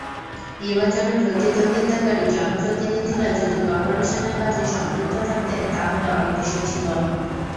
নির্বাচনে প্রতিদ্বন্দ্বিতাকারী জনপ্রতিনিধিরা যদি করপোরেশনের কাজে সম্পৃক্ত থাকতেন, তাহলে অন্য বিষয় ছিল।